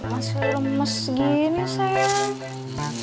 masih lemes gini sayang